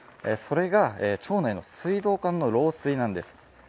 それが町内の水道管の漏水なんです。